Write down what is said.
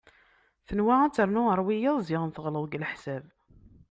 Tenwa ad ternu ɣer wiyaḍ ziɣen teɣleḍ deg leḥsab.